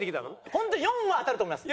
本当に４は当たると思います